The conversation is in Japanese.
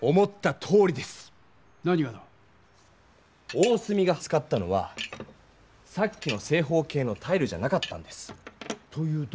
大角が使ったのはさっきの正方形のタイルじゃなかったんです！というと？